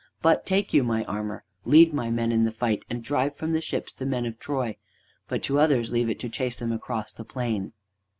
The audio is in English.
But take you my armor; lead my men in the fight, and drive from the ships the men of Troy. But to others leave it to chase them across the plain."